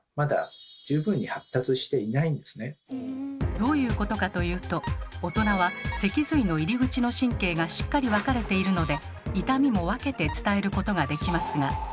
どういうことかというと大人は脊髄の入り口の神経がしっかり分かれているので痛みも分けて伝えることができますが。